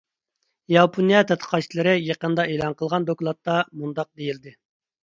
ياپونىيە تەتقىقاتچىلىرى يېقىندا ئېلان قىلغان دوكلاتتا مۇنداق دېيىلدى.